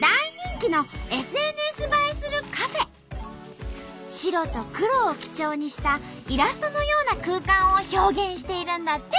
今白と黒を基調にしたイラストのような空間を表現しているんだって！